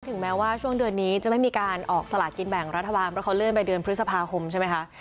ถึงแม้ว่าช่วงเดือนนี้จะไม่มีการออกสลากินแบ่งรัฐบาลเพราะเขาเลื่อนไปเดือนพฤษภาคมใช่ไหมคะ